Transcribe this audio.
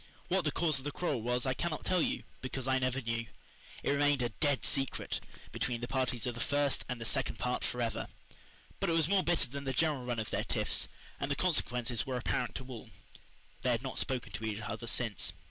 What the cause of the quarrel was I cannot tell because I never knew. It remained a "dead secret" between the parties of the first and second part forever. But it was more bitter than the general run of their tiffs, and the consequences were apparent to all. They had not spoken to each other since.